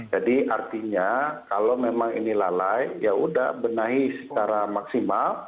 jadi artinya kalau memang ini lalai ya sudah benahi secara maksimal